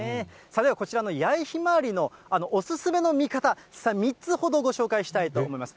ではこちらの八重ひまわりのお勧めの見方、３つほどご紹介したいと思います。